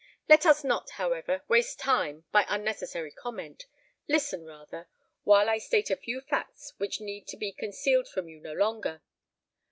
Let us not, however, waste time by unnecessary comment: listen rather while I state a few facts which need be concealed from you no longer.